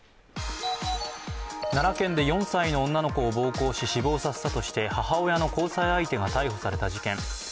奈良県で４歳の女の子を暴行し死亡させたとして母親の交際相手が逮捕された事件。